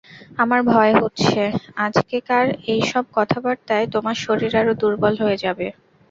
আমার ভয় হচ্ছে আজকেকার এই-সব কথাবার্তায় তোমার শরীর আরো দুর্বল হয়ে যাবে।